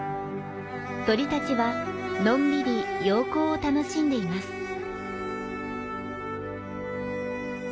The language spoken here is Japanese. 鳥たちはのんびり陽光を楽しんでいます。